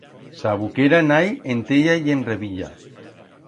Sabuquera n'hai en Tella y en Revilla.